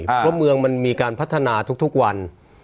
เพราะเมืองมันมีการพัฒนาทุกวัน